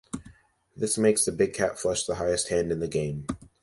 This makes the big cat flush the highest hand in the game.